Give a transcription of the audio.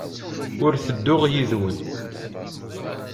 Ur ttedduɣ yid-wen.